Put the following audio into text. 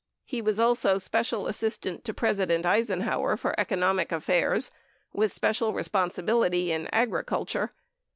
He was also Special Assistant to Presi dent Eisenhower for economic affairs, with special responsibility in agriculture.